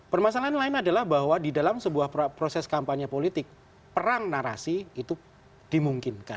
permasalahan lain adalah bahwa di dalam sebuah proses kampanye politik perang narasi itu dimungkinkan